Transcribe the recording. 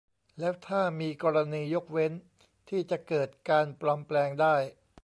แล้วถ้ามีกรณียกเว้นที่จะเกิดการปลอมแปลงได้